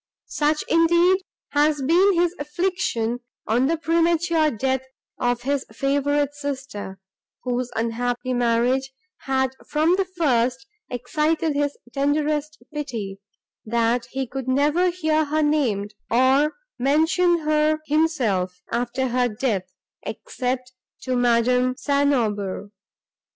Such, indeed, had been his affliction, on the premature death of this his favourite sister, whose unhappy marriage had from the first excited his tenderest pity, that he never could hear her named, or mention her himself after her death, except to Madame St. Aubert.